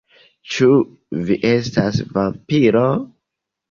Ĉu vi estas vampiro?